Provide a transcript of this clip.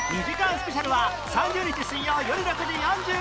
スペシャルは３０日水曜よる６時４５分